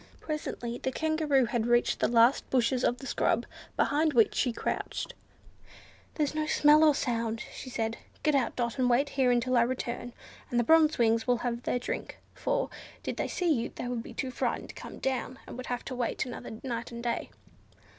Presently the Kangaroo had reached the last bushes of the scrub, behind which she crouched. "There's not a smell or a sound," she said. "Get out, Dot, and wait here until I return, and the Bronze Wings have had their drink; for, did they see you, they would be too frightened to come down, and would have to wait another night and day."